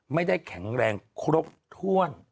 ไม่ได้แข็งแรงครบถ้วน